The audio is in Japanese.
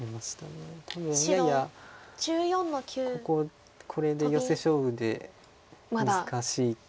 多分ややこれでヨセ勝負で難しいと。